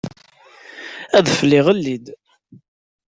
Adfel iɣelli-d.